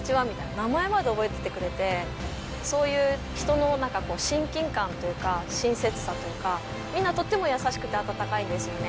名前まで覚えててくれて、そういう人の親近感というか、親切さというか、みんなとっても優しくて温かいんですよね。